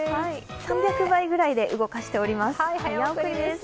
３００倍ぐらいで動かしております。